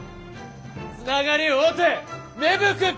つながり合うて芽吹く草じゃ！